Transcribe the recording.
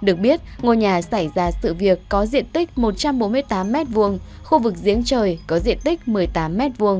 được biết ngôi nhà xảy ra sự việc có diện tích một trăm bốn mươi tám m hai khu vực diễn trời có diện tích một mươi tám m hai